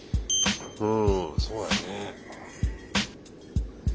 うんそうだよね。